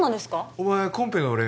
お前コンペのお礼